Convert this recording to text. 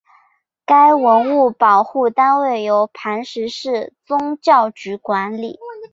该文物保护单位由磐石市宗教局管理。